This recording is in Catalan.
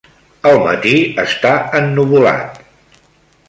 El matí està ennuvolat.